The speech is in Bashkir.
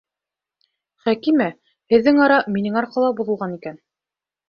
Хәкимә, һеҙҙең ара минең арҡала боҙолған икән.